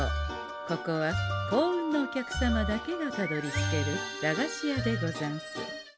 ここは幸運なお客様だけがたどりつける駄菓子屋でござんす。